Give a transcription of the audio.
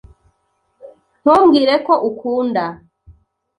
Ntumbwire ko ukunda .